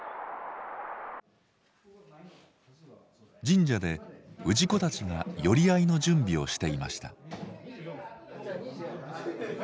神社で氏子たちが寄り合いの準備をしていました。